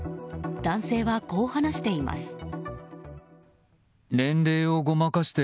男性は、こう話しています。